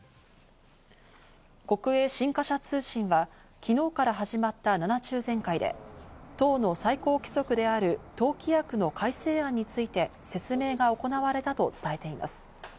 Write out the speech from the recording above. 国営新華社通信は昨日から始まった７中全会で、党の最高規則である党規約の改正案について説明が行われたと伝えています。